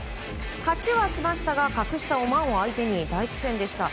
勝ちはしましたが格下オマーンを相手に大苦戦でした。